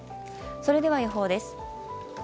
それでは予報です。